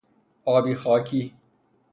آبی خاکی